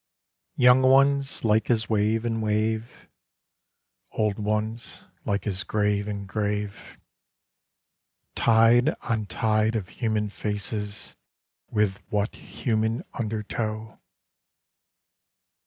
Young ones, like as wave and wave; Old ones, like as grave and grave; Tide on tide of human faces With what human undertow!